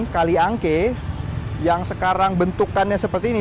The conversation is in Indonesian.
kaliangke yang sekarang bentukannya seperti ini